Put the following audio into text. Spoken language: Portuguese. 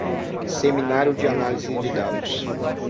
Seminário de análise de dados